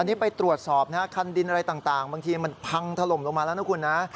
อันนี้ไปตรวจสอบนะฮะคันดินอะไรต่างบางทีมันพังถล่มลงมาแล้วนะคุณนะ